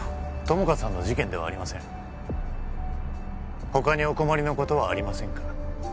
友果さんの事件ではありません他にお困りのことはありませんか？